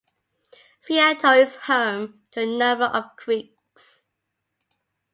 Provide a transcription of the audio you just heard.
Seattle is home to a number of creeks.